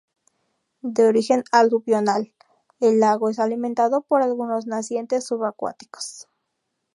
De origen aluvional, el lago es alimentado por algunos nacientes subacuáticos.